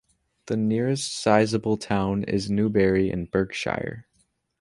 The nearest sizeable town is Newbury in Berkshire.